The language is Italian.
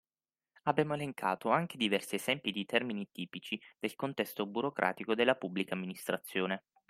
Abbiamo elencato anche diversi esempi di termini tipici del contesto burocratico della Pubblica Amministrazione